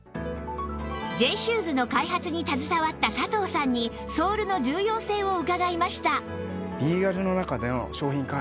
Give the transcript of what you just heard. Ｊ シューズの開発に携わった佐藤さんにソールの重要性を伺いました